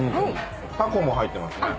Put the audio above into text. たこも入ってますね。